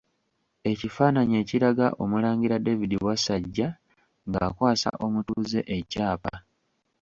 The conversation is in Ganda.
Ekifaananyi ekiraga Omulangira David Wasajja nga akwasa omutuuze ekyapa.